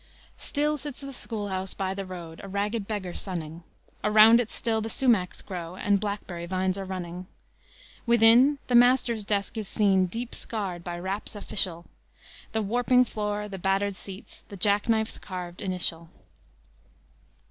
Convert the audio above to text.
"Still sits the school house by the road, A ragged beggar sunning; Around it still the sumachs grow And blackberry vines are running. "Within, the master's desk is seen, Deep scarred by raps official; The warping floor, the battered seats, The jack knife's carved initial."